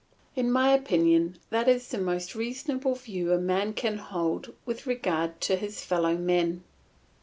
In my opinion that is the most reasonable view a man can hold with regard to his fellow men.